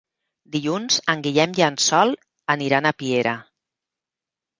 Dilluns en Guillem i en Sol aniran a Piera.